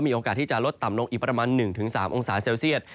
มีโอกาสที่จะลดต่ำลงอีกประมาณ๑๓องศาเซลเซียต